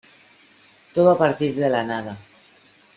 todo a partir de la nada.